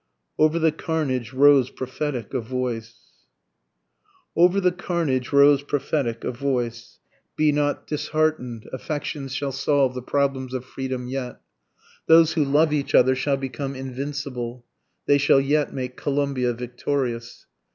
OVER THE CARNAGE ROSE PROPHETIC A VOICE. Over the carnage rose prophetic a voice, Be not dishearten'd, affection shall solve the problems of freedom yet, Those who love each other shall become invincible, They shall yet make Columbia victorious.